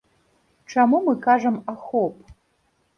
Чаму мы кажам ахоп?